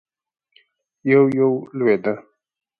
يو- يو لوېده.